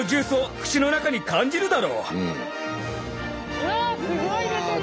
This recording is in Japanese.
うわすごい出てる。